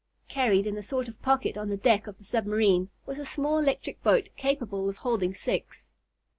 Carried in a sort of pocket on the deck of the submarine was a small electric boat, capable of holding six.